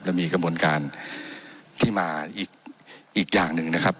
เรามีกระบวนการที่มาอีกอย่างหนึ่งนะครับ